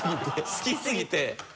好きすぎて。